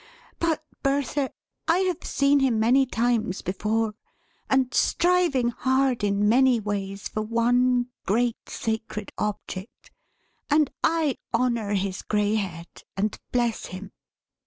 But Bertha, I have seen him many times before; and striving hard in many ways for one great sacred object. And I honor his grey head, and bless him!"